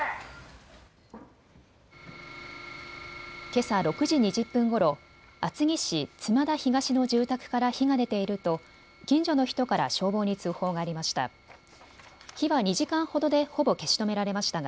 けさ６時２０分ごろ厚木市妻田東の住宅から火が出ていると近所の人から消防に通報がありました。